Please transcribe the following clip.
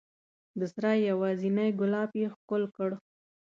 د سرای یوازینی ګلاب یې ښکل کړ